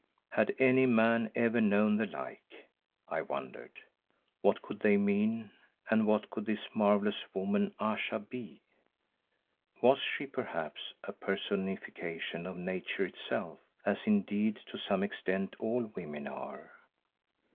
Had any man ever known the like, I wondered? What could they mean and what could this marvellous woman Ayesha be? Was she perhaps a personification of Nature itself, as indeed to some extent all women are?